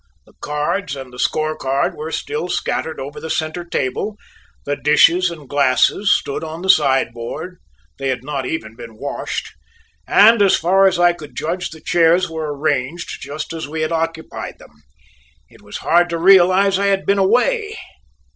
The cards and score card were still scattered over the centre table, the dishes and glasses stood on the sideboard they had not even been washed, and as far as I could judge, the chairs were arranged just as we had occupied them; it was hard to realize I had been away.